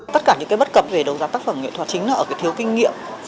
tất cả những bất cập về đấu giá tác phẩm nghệ thuật chính là thiếu kinh nghiệm